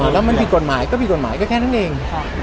แล้วมันผิดกฎหมายก็ผิดกฎหมายก็แค่นั้นเอง